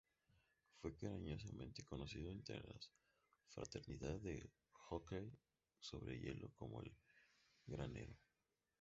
Fue cariñosamente conocido entre la fraternidad de hockey sobre hielo como 'El Granero'.